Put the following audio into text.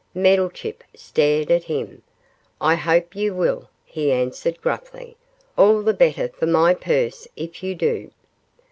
Meddlechip stared at him. 'I hope you will,' he answered, gruffly, 'all the better for my purse if you do.